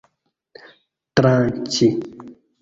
tranĉi